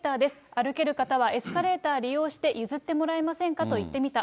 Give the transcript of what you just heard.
歩ける方はエスカレーター利用して譲ってもらえませんかと言ってみた。